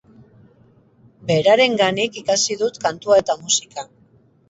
Beraren ganik ikasi dut kantua eta musika.